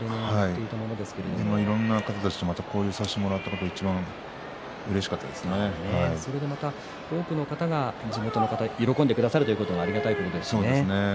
いろんな方たちと交流をさせてもらって多くの方が、地元の方喜んでくださるというのはありがたいことですね。